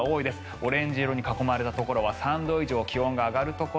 オレンジ色に囲まれたところは３度以上気温が上がるところ。